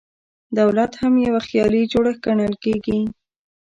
دولت هم یو خیالي جوړښت ګڼل کېږي.